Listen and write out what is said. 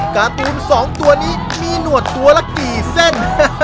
การ์ตูน๒ตัวนี้มีหนวดตัวละกี่เส้น